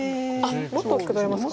もっと大きくなりますか？